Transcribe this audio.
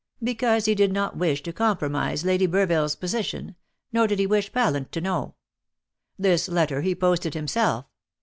"Because he did not wish to compromise Lady Burville's position; nor did he wish Pallant to know. This letter he posted himself.